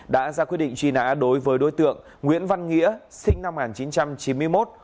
đã ra quyết định truy nã đối với đối tượng nguyễn văn nghĩa sinh năm một nghìn chín trăm chín mươi một